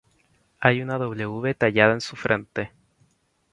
Hay una "W" tallada en su frente.